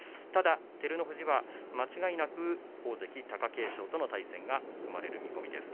ただ照ノ富士は間違いなく大関貴景勝との対戦が組まれる見込みです。